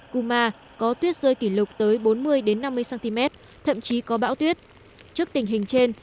kuma có tuyết rơi kỷ lục tới bốn mươi năm mươi cm thậm chí có bão tuyết trước tình hình trên